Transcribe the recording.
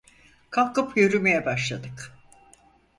Kalkıp yürümeye başladık.